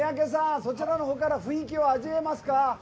そちらのほうから雰囲気、味わえますか？